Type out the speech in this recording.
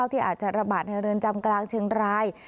ที่อาจจะระบาดในเรือนจำกลางเชียงราย